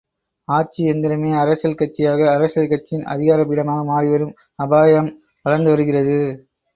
ஆட்சி எந்திரமே அரசியல் கட்சியாக அரசியல் கட்சியின் அதிகார பீடமாக மாறிவரும் அபாயம் வளர்ந்து வருகிறது.